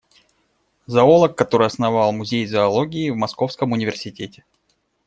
Зоолог, который основал музей зоологии в Московском университете.